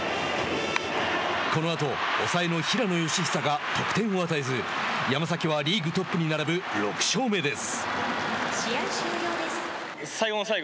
このあと、抑えの平野佳寿が得点を与えず山崎はリーグトップに並ぶ６勝目です。